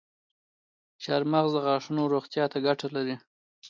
چارمغز د غاښونو روغتیا ته ګټه لري.